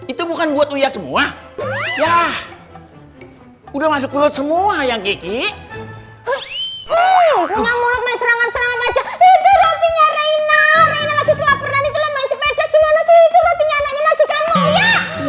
itu bukan buat uya semua ya udah masuk semua yang gigi ngomong ngomong aja itu